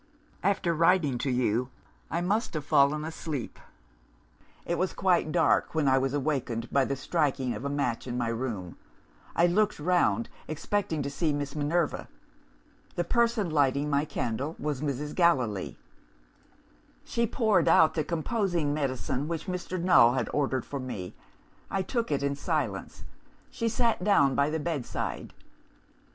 "After writing to you, I must have fallen asleep. It was quite dark, when I was awakened by the striking of a match in my room. I looked round, expecting to see Miss Minerva. The person lighting my candle was Mrs. Gallilee. "She poured out the composing medicine which Mr. Null had ordered for me. I took it in silence. She sat down by the bedside.